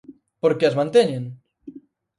¿Por que as manteñen?